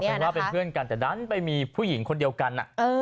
เป็นว่าเป็นเพื่อนกันแต่ดันไปมีผู้หญิงคนเดียวกัน